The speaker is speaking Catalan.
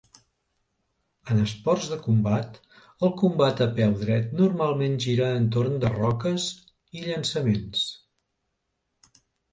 En esports de combat, el combat a peu dret normalment gira entorn derroques i llançaments